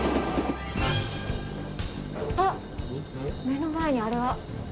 目の前にあれは。